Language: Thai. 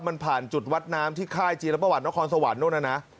มันผ่านจุดวัดน้ำที่ค่ายจีรประวัตินครสวรรค์นู่นน่ะนะ